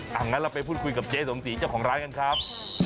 อย่างนั้นเราไปพูดคุยกับเจ๊สมศรีเจ้าของร้านกันครับ